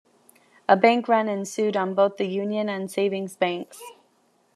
A bank run ensued on both the Union and Savings Banks.